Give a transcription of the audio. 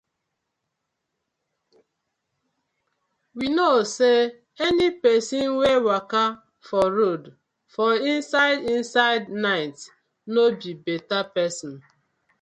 We kno say any pesin wey waka for road for inside inside night no bi beta pesin.